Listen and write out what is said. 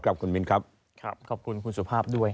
ครับคุณมินครับครับขอบคุณคุณสุภาพด้วย